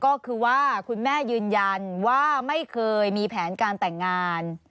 ก็คือว่าคุณแม่ยืนยันว่าไม่เคยมีแผนการแต่งงาน